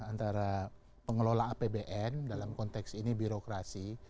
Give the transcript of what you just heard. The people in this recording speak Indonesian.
antara pengelola apbn dalam konteks ini birokrasi